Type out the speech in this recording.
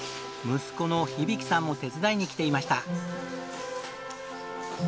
息子の飛輝さんも手伝いに来ていました。